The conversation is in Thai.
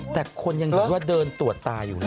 แต่คนยังเห็นว่าเดินตรวจตาอยู่เลย